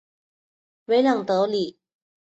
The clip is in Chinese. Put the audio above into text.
维朗德里。